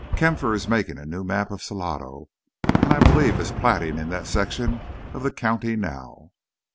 Kampfer is making a new map of Salado, and I believe is platting in that section of the county now."